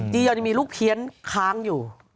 จียอนมีลูกเพี้ยนค้างอยู่